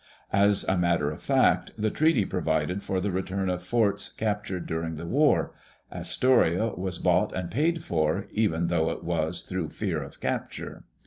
As a matter of fact, the treaty provided for the return of forts captured during the war; Astoria was bought and paid for, even though it was through fear of capture.